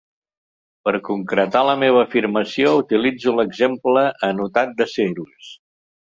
Per concretar la meva afirmació, utilitzo l'exemple anotat de Cirus.